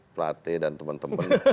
plathe dan teman teman